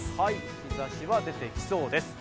日ざしは出てきそうです。